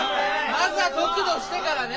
まずは得度してからね。